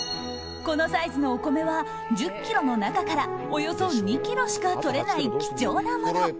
このサイズのお米は１０ｋｇの中からおよそ２ｋｇしか取れない貴重なもの。